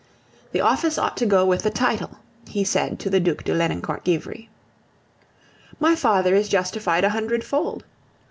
"The office ought to go with the title," he said to the Duc de Lenoncourt Givry. My father is justified a hundred fold.